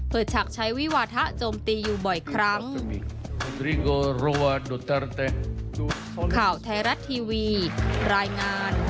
ฉากใช้วิวาทะโจมตีอยู่บ่อยครั้ง